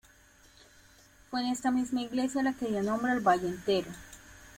Fue esta misma iglesia la que dio nombre al valle entero.